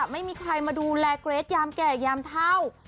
ไม่มีใครมาดูแลเกรทยามแก่ยามเท่า